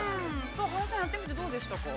◆原さん、やってみてどうでしたか。